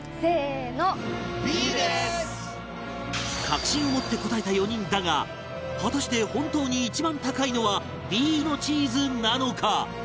確信を持って答えた４人だが果たして本当に一番高いのは Ｂ のチーズなのか？